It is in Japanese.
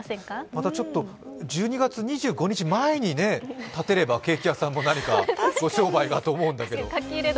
またちょっと１２月２５日前に建てればケーキ屋さんも何かご商売がと思うんですけど。